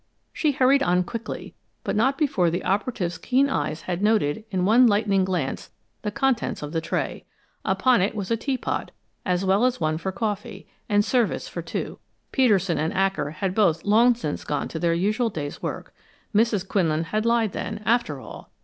She hurried on quickly, but not before the operative's keen eyes had noted in one lightning glance the contents of the tray. Upon it was a teapot, as well as one for coffee, and service for two. Peterson and Acker had both long since gone to their usual day's work. Mrs. Quinlan had lied, then, after all.